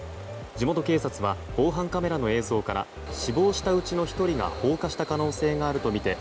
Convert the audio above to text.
地元警察は防犯カメラの映像から死亡したうちの１人が放火した可能性があるとみて